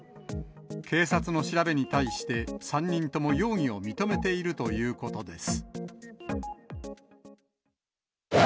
警察の調べに対して、３人とも容疑を認めているということです。